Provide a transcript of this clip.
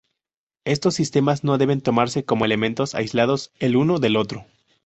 Estos sistemas no deben tomarse como elementos aislados el uno del otro.